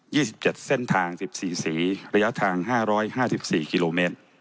สิบเจ็ดเส้นทางสิบสี่สีระยะทางห้าร้อยห้าสิบสี่กิโลเมตร